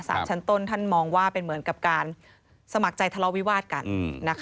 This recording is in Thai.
ชั้นต้นท่านมองว่าเป็นเหมือนกับการสมัครใจทะเลาวิวาสกัน